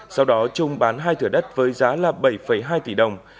sau đó trung bán hai thửa đất với giá là bảy hai tỷ đồng